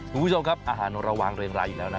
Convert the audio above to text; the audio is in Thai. คุณผู้ชมครับอาหารระวังเรียงรายอยู่แล้วนะ